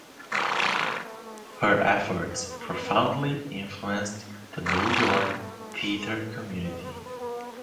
Her efforts profoundly influenced the New York theater community.